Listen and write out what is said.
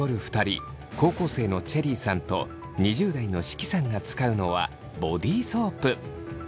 高校生のチェリーさんと２０代の識さんが使うのはボディソープ。